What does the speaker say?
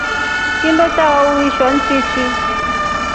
Kindo chava uvisha nchichi.